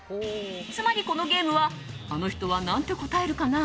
つまり、このゲームはあの人は何て答えるかな？